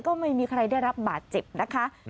ก็ไม่มีใครได้รับบาดเจ็บนะคะ